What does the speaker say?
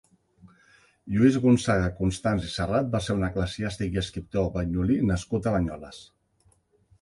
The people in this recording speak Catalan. Lluís Gonçaga Constans i Serrat va ser un eclesiàstic i escriptor banyolí nascut a Banyoles.